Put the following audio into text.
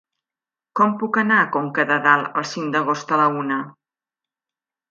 Com puc anar a Conca de Dalt el cinc d'agost a la una?